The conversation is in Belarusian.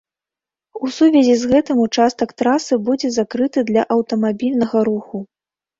У сувязі з гэтым участак трасы будзе закрыты для аўтамабільнага руху.